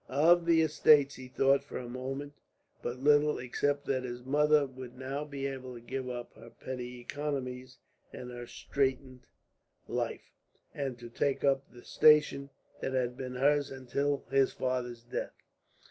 Of the estates he thought for the moment but little, except that his mother would now be able to give up her petty economies and her straitened life, and to take up the station that had been hers until his father's death.